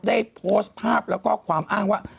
ได้โพสต์ภาพแล้วก็ความอ้างว่า